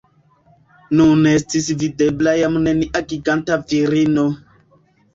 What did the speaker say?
Nun estis videbla jam nenia giganta virino.